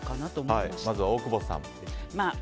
まずは大久保さん。